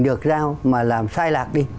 được giao mà làm sai lạc đi